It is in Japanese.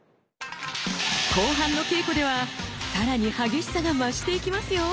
後半の稽古ではさらに激しさが増していきますよ！